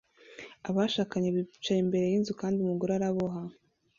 Abashakanye bicaye imbere yinzu kandi umugore araboha